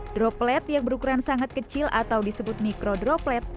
droplet yang berukuran sangat kecil atau disebut mikro droplet